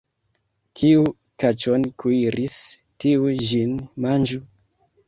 Kiu kaĉon kuiris, tiu ĝin manĝu.